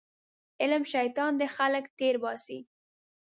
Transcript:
علم شیطان دی خلک تېرباسي